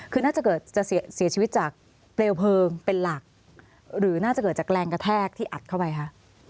คือน่าจะเกิดจะเสียชีวิตจากเปลวเพลิงเป็นหลักหรือน่าจะเกิดจากแรงกระแทกที่อัดเข้าไปคะ